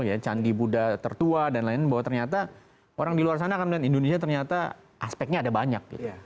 ya candi buddha tertua dan lain lain bahwa ternyata orang di luar sana akan melihat indonesia ternyata aspeknya ada banyak